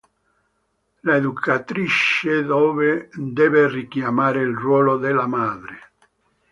L'educatrice deve richiamare il ruolo della madre.